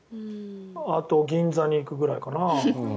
あと銀座に行くぐらいかな。